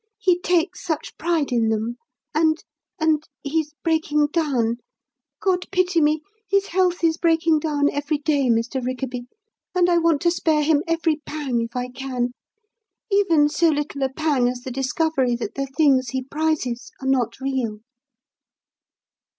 He takes such pride in them, and and he's breaking down God pity me, his health is breaking down every day, Mr. Rickaby, and I want to spare him every pang, if I can, even so little a pang as the discovery that the things he prizes are not real."